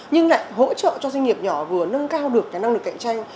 nhưng lại hỗ trợ cho doanh nghiệp nhỏ vừa nâng cao được cái năng lực cạnh tranh